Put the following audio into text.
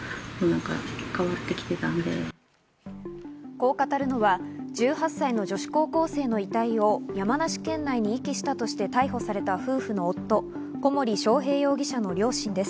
こう語るのは１８歳の女子高校生の遺体を山梨県内に遺棄したとして逮捕された夫婦の夫・小森章平容疑者の両親です。